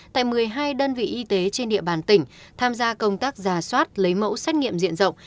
tại một mươi hai đơn vị y tế trên địa bàn tỉnh tham gia công tác giả soát lấy mẫu xét nghiệm diện rộng